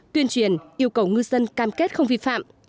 tuyên truyền yêu cầu ngư dân cam kết không vi phạm